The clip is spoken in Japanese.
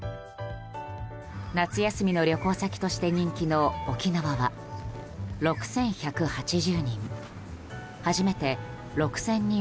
夏休みの旅行先として人気の沖縄は６１８０人。